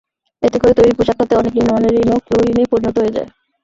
এতে করে তৈরি পোশাক খাতে অনেক নিম্নমানের ঋণও কুঋণে পরিণত হয়ে যায়।